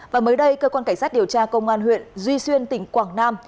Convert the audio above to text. và mới đây cơ quan cảnh sát điều tra công an huyện duy xuyên tỉnh quảng nam